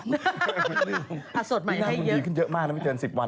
ทักสดใหม่ให้เยอะคุณแรงขึ้นเยอะมากแล้วไม่เทือน๑๐วัน